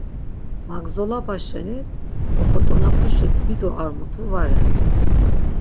Magzolaba şeni oxotzonapuşi dido ar mutu va ren.